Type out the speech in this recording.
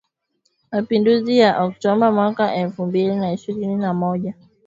mapinduzi ya Oktoba mwaka elfu mbili na ishirini na moja